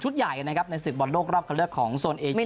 ชุดใหญ่ในศึกบอลโลกรอบเคลือบของโซนเอเชีย